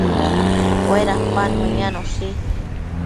Uedapan meyanoshi